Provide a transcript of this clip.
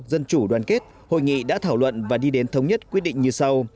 dân chủ đoàn kết hội nghị đã thảo luận và đi đến thống nhất quyết định như sau